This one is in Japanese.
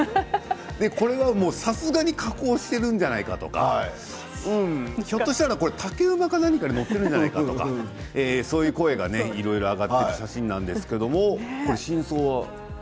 これは、さすがに加工しているんじゃないかとかひょっとしたら竹馬か何かに乗っているんじゃないかとかそういう声がいろいろ上がっている写真なんですけれども真相は？